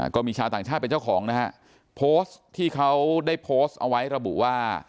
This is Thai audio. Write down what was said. ก็มีชาวต่างชาติเป็นเจ้าของนะฮะโพสต์ที่เขาได้โพสต์เอาไว้ระบุว่า